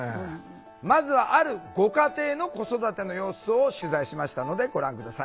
まずはあるご家庭の子育ての様子を取材しましたのでご覧下さい。